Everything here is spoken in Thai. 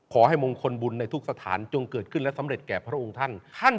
ขอให้มงคลบุญในทุกสถานจงเกิดขึ้นและสำเร็จแก่พระองค์ท่าน